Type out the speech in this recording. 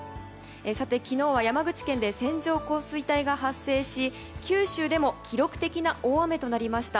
昨日は山口県で線状降水帯が発生し九州でも記録的な大雨となりました。